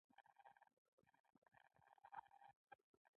هر چا سره د خپلې تلنې ترازو شته.